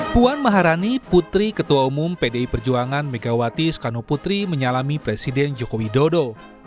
puan maharani putri ketua umum pdi perjuangan megawati soekarno putri menyalami presiden joko widodo